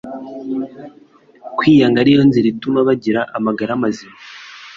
kwiyanga ari yo nzira ituma bagira amagara mazima